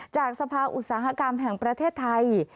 จากสภาอุตสาหกรรมแห่งประเทศไทย